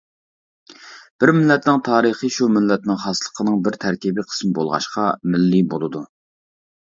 بىر مىللەتنىڭ تارىخى شۇ مىللەتنىڭ خاسلىقىنىڭ بىر تەركىبى قىسمى بولغاچقا مىللىي بولىدۇ.